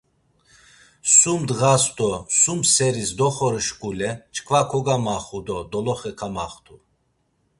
Sum ndğas do sum seris doxoru şkule çkva kogamaxu do doloxe kamaxtu.